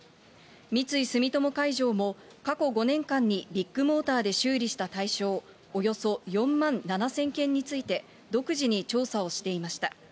三井住友海上も、過去５年間にビッグモーターで修理した対象およそ４万７０００件について、独自に調査をしていました。